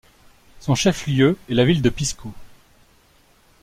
Son chef-lieu est la ville de Pisco.